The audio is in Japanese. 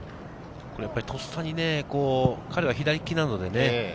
とっさに彼は左利きなのでね